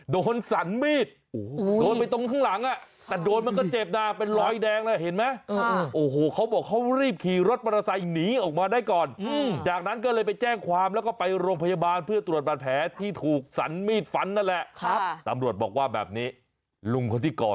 โดนสันมีดโดนไปตรงข้างหลังแต่โดนเนี่ยมันเจ็บหน่าเป็นรอยแดง